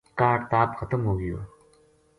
کاہڈ تاپ ختم ہو گیو